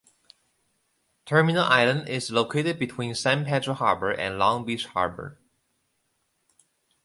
Terminal Island is located between San Pedro Harbor and Long Beach Harbor.